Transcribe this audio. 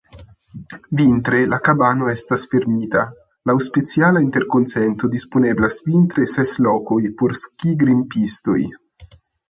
Vintre la kabano estas fermita; laŭ speciala interkonsento disponeblas vintre ses lokoj por skigrimpistoj.